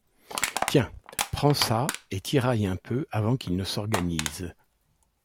Tiens, prends ça et tiraille un peu, avant qu’il ne s’organise.